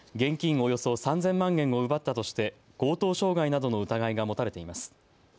およそ３０００万円を奪ったとして強盗傷害などの疑いが持たれています。